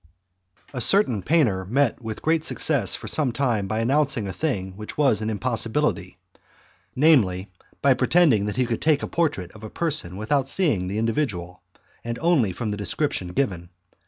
A certain painter met with great success for some time by announcing a thing which was an impossibility namely, by pretending that he could take a portrait of a person without seeing the individual, and only from the description given.